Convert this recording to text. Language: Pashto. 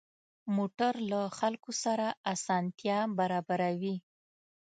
موټر له خلکو سره اسانتیا برابروي.